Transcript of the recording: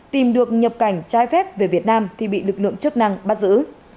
tìm được nhập cảnh trái phép về việt nam thì bị lực lượng chức năng bắt giữ